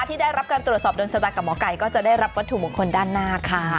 ที่ได้รับการตรวจสอบโดนชะตากับหมอไก่ก็จะได้รับวัตถุมงคลด้านหน้าค่ะ